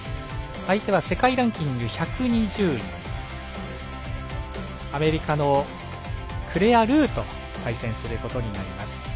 相手は世界ランキング１２０位アメリカのクレア・ルーと対戦することになります。